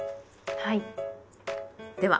はい。